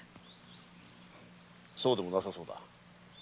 そうでもなさそうだ。